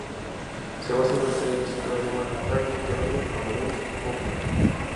Se basa en una historia del escritor alemán Ernst Theodor Amadeus Hoffmann.